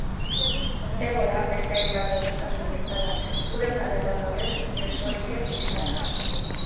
Ebola, beste hainbat gaixotasun bezala, gure planetan dauden desoreken isla da.